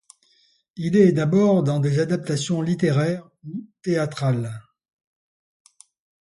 Il est d'abord dans des adaptations littéraires ou théâtrales.